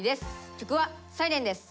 曲は「サイレン」です。